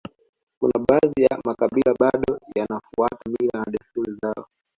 Kuna baadhi ya makabila bado wanafuata mila na desturi zao